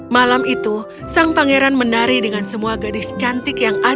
malam itu sang pangeran menari dengan semua orang